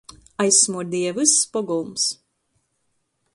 Aizsmuordieja vyss pogolms.